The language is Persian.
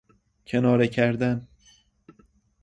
کناره کردن